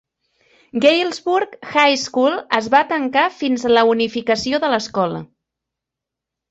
Galesburg High School es va tancar fins la unificació de l'escola.